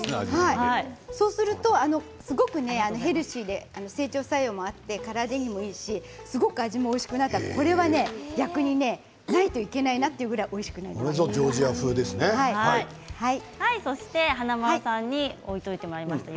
そうするとすごくヘルシーで整腸作用もあって体にもいいしすごく味もおいしくなってこれは逆にないといけないなというぐらいジョージア風ですね。